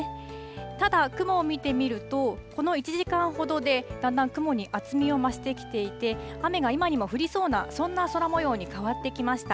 ただ、雲を見てみると、この１時間ほどでだんだん雲に厚みを増してきていて、雨が今にも降りそうな、そんな空もように変わってきました。